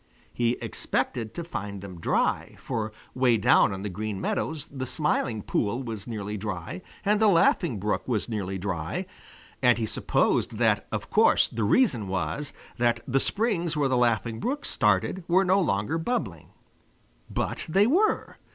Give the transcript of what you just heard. He expected to find them dry, for way down on the Green Meadows the Smiling Pool was nearly dry, and the Laughing Brook was nearly dry, and he had supposed that of course the reason was that the springs where the Laughing Brook started were no longer bubbling. But they were!